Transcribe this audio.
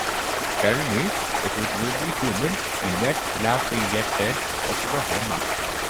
Tell me if it will be humid in West Lafayette, Oklahoma